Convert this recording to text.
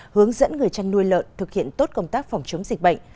hướng dẫn người chăn nuôi lợn thực hiện tốt công tác phòng chống dịch bệnh